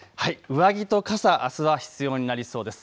上着と傘、あすは必要になりそうです。